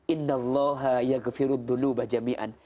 inna allaha ya ghafiru dhulubah jamian